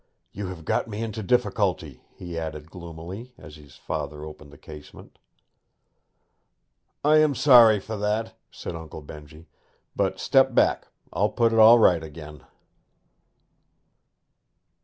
'You have got me into difficulty,' he added gloomily, as his father opened the casement. 'I am sorry for that,' said Uncle Benjy. 'But step back; I'll put it all right again.'